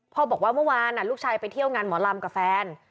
บอกว่าเมื่อวานลูกชายไปเที่ยวงานหมอลำกับแฟน